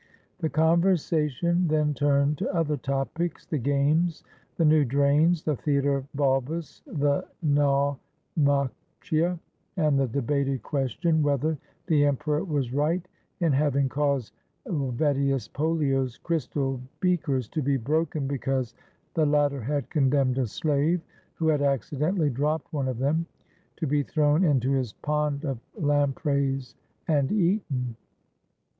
The conversation then turned to other topics: the games, the new drains, the theater of Balbus, the Nau machia, and the debated question whether the em peror was right in having caused Vedius PoUio's crystal beakers to be broken because the latter had con demned a slave, who had accidentally dropped one of them, to be thrown into his pond of lampreys and eaten.